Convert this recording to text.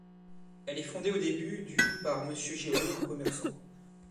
Elle est fondée au début du par monsieur Giraud, un commerçant.